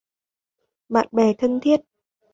Bạn bè thân thiết